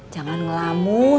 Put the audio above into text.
jangan ngelambur ya